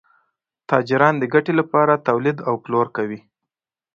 تاجران د ګټې لپاره تولید او پلور کوي.